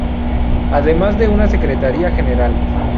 Además de una secretaría general.